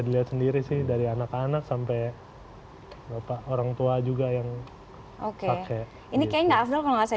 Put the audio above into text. dilihat sendiri sih dari anak anak sampai lupa orang tua juga yang oke ini kayaknya kalau saya